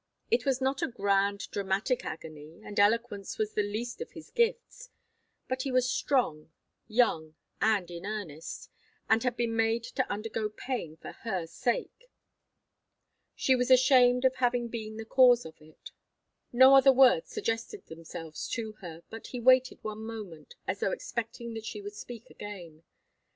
It was not a grand, dramatic agony, and eloquence was the least of his gifts, but he was strong, young, and in earnest, and had been made to undergo pain for her sake. She was ashamed of having been the cause of it. No other words suggested themselves to her, but he waited one moment, as though expecting that she would speak again.